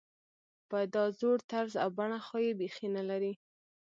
په دا زوړ طرز او بڼه خو یې بېخي نلري.